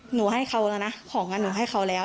หนูให้เขาแล้วนะของหนูให้เขาแล้ว